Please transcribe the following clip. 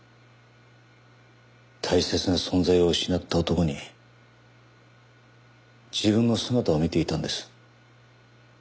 大切な存在を失った男に自分の姿を見ていたんです。